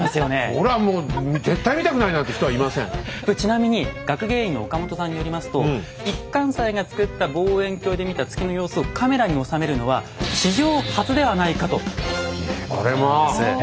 これちなみに学芸員の岡本さんによりますと一貫斎が作った望遠鏡で見た月の様子をカメラに収めるのは史上初ではないかということなんです。